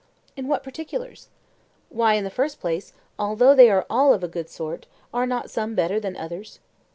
In what particulars? Why, in the first place, although they are all of a good sort, are not some better than others?